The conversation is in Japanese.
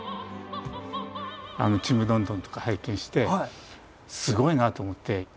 「ちむどんどん」とか拝見してすごいなと思って。